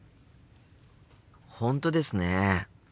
本当ですね。